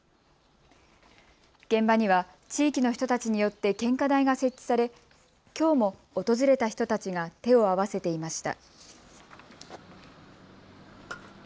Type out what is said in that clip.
現場には地域の人たちによって献花台が設置され、きょうも訪れた人たちが手を合わせていました。